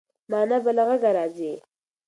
مانا به له غږه راځي.